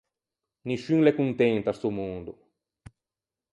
Nisciun l’é contento à sto mondo.